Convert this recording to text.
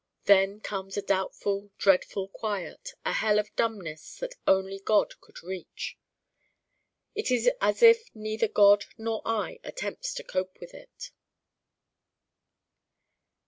Then comes a doubtful dreadful quiet, a hell of dumbness that only God could reach. It is as if neither God nor I attempts to cope with it.